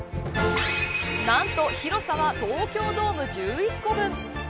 何と広さは東京ドーム１１個分。